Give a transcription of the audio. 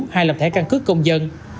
hay làm thẻ căn cứ công dân